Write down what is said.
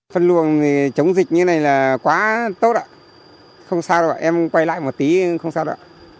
phân luồng chống dịch như thế này là quá tốt ạ không sao đâu ạ em quay lại một tí không sao đâu ạ